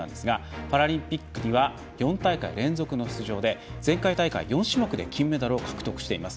パラリンピックには４大会連続の出場で前回大会４種目で金メダルを獲得しています。